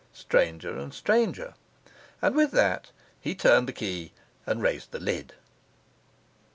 Stranger and stranger.' And with that he turned the key and raised the lid.